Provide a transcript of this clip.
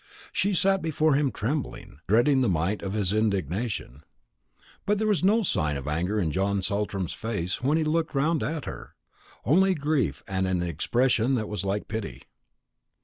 She sat before him trembling, dreading the might of his indignation. But there was no anger in John Saltram's face when he looked round at her; only grief and an expression that was like pity.